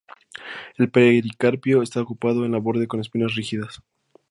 El pericarpio está ocupado en el borde con espinas rígidas.